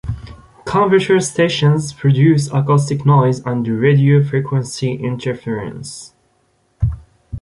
Converter stations produce acoustic noise and radio-frequency interference.